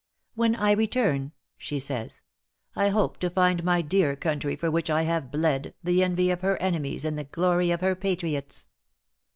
"When I return," she says, "I hope to find my dear country, for which I have bled, the envy of her enemies and the glory of her patriots."